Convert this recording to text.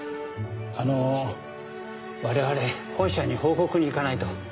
あのー我々本社に報告に行かないと。